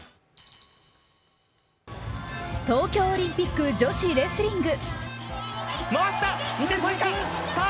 東京オリンピック女子レスリング。